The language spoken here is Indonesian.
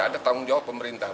ada tanggung jawab pemerintah